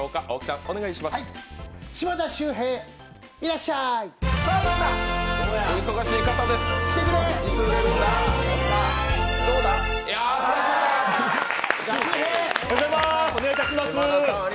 お願いいたします。